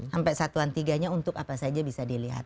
sampai satuan tiganya untuk apa saja bisa dilihat